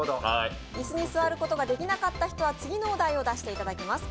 椅子に座ることができなかった人は次のお題を出していただきます。